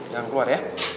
jangan keluar ya